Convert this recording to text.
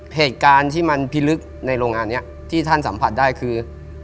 เหตุการณ์ที่มันพิลึกในโรงงานนี้ที่ท่านสัมผัสได้คือ